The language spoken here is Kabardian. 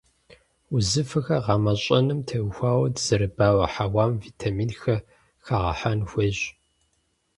Узыфэхэр гъэмэщӀэным теухуауэ дызэрыбауэ хьэуам витаминхэр хэгъэхьэн хуейщ.